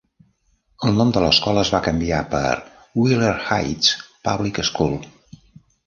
El nom de l'escola es va canviar per Wheeler Heights Public School.